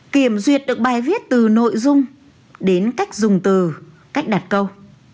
kiểm duyệt được bài viết từ nội dung đến cách dùng từ cách đặt câu